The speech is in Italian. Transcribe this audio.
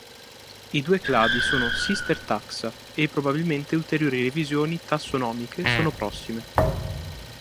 I due cladi sono "sister taxa", e probabilmente ulteriori revisioni tassonomiche sono prossime.